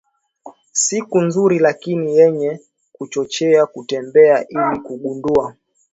siku nzuri lakini yenye kuchochea kutembea ili kugundua